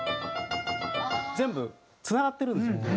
全部つながってるんですよ。